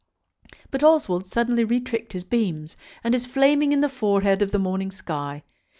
But Oswald suddenly retricked his beams, and is flaming in the forehead of the morning sky.